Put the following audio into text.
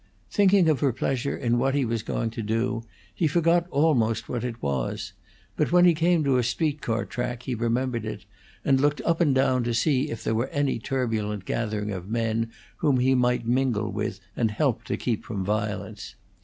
Thinking of her pleasure in what he was going to do, he forgot almost what it was; but when he came to a street car track he remembered it, and looked up and down to see if there were any turbulent gathering of men whom he might mingle with and help to keep from violence.